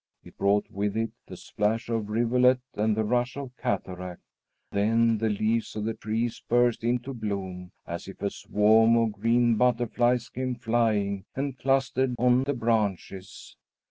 It brought with it the splash of rivulet and the rush of cataract. Then the leaves of the trees burst into bloom, as if a swarm of green butterflies came flying and clustered on the branches.